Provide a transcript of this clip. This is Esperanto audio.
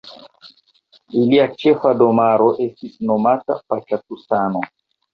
Ilia ĉefa domaro estis nomita Paĉatusano.